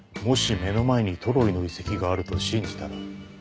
もし目の前にトロイの遺跡があると信じたら。